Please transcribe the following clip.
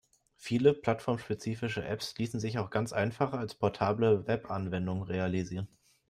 Viele plattformspezifische Apps ließen sich auch ganz einfach als portable Webanwendung realisieren.